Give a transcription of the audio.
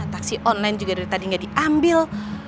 taksi online juga dari tadi gak diambil